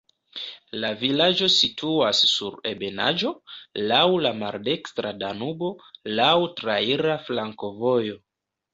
La vilaĝo situas sur ebenaĵo, laŭ la maldekstra Danubo, laŭ traira flankovojo.